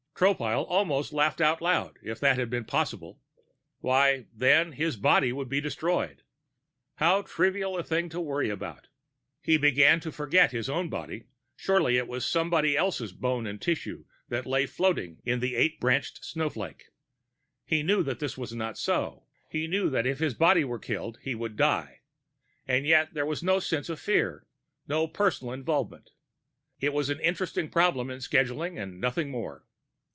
Tropile almost laughed out loud, if that had been possible. Why, then, his body would be destroyed! How trivial a thing to worry about! He began to forget he owned a body; surely it was someone else's bone and tissue that lay floating in the eight branched snowflake. He knew that this was not so. He knew that if his body were killed, he would die. And yet there was no sense of fear, no personal involvement. It was an interesting problem in scheduling and nothing more.